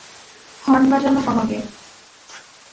Horn বাজানো কমাবে?